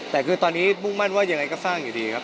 แต่คือตอนนี้มุ่งมั่นว่ายังไงก็สร้างอยู่ดีครับ